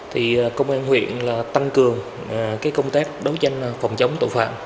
thì công an huyện tăng cường công tác đấu tranh phòng chống tội phạm